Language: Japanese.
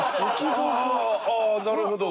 ああなるほど。